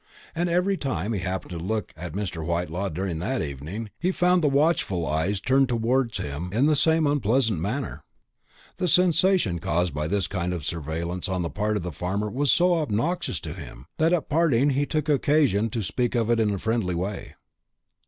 And every time he happened to look at Mr. Whitelaw during that evening, he found the watchful eyes turned towards him in the same unpleasant manner. The sensation caused by this kind of surveillance on the part of the farmer was so obnoxious to him, that at parting he took occasion to speak of it in a friendly way.